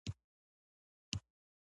سلطان محمود غزنوي مقبره چیرته ده؟